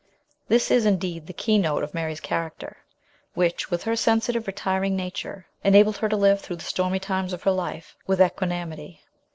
This is, indeed, the key note of Mary's character, which, with her sensitive, retiring nature, enabled her to live through the stormy times of her life with equanimity.